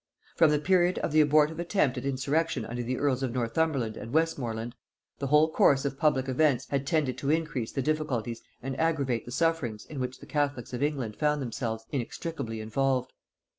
From the period of the abortive attempt at insurrection under the earls of Northumberland and Westmorland, the whole course of public events had tended to increase the difficulties and aggravate the sufferings in which the catholics of England found themselves inextricably involved.